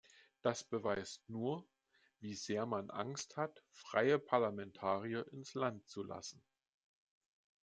Das beweist nur, wie sehr man Angst hat, freie Parlamentarier ins Land zu lassen.